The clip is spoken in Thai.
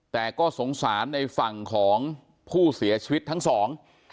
แต่ก็สงสารในฝั่งของผู้เสียชีวิตทั้งสอง